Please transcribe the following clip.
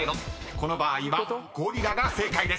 この場合は「ゴリラ」が正解です］